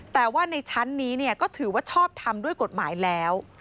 แต่ว่าในชั้นนี้ก็ถือว่าชอบทำด้วยกฎหมายแล้ว